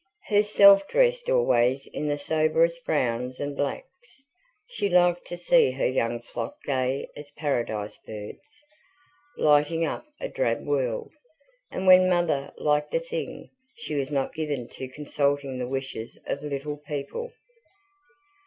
Herself dressed always in the soberest browns and blacks, she liked to see her young flock gay as Paradise birds, lighting up a drab world; and when Mother liked a thing, she was not given to consulting the wishes of little people.